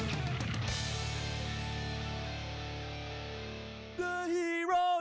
ตอนนี้มันถึงมวยกู้ที่๓ของรายการ